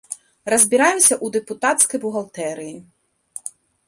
Разбіраемся ў дэпутацкай бухгалтэрыі.